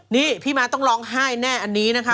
นี่พี่ม้าต้องร้องไห้แน่อันนี้นะคะ